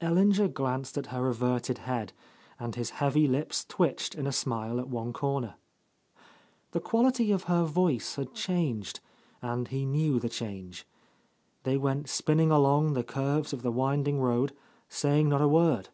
Ellinger glanced at her averted head, and his heavy lips twitched in a smile at one comer. The quality of her voice had changed, and he knew the change. They went spinning along the curves of the winding road, saying not a word.